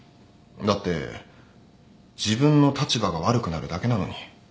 だって自分の立場が悪くなるだけなのに。